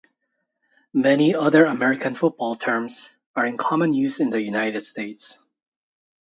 Many other American football terms are in common use in the United States.